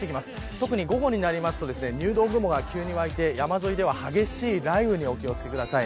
特に午後になると入道雲が急に湧いて山沿いでは激しい雷雨にお気を付けください。